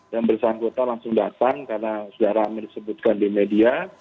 yang bersangkutan langsung datang karena saudara amir disebutkan di media